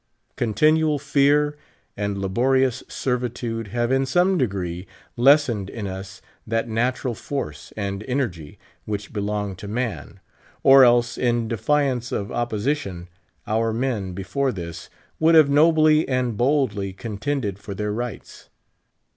Continual fear and laborious servitude have in some degree lessened in us that natural force and en ergy which belong to man ; or else, in defiance of oppo sition, our men, before this, would have nobly and boldly contended for their rights.